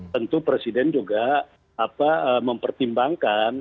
tentu presiden juga mempertimbangkan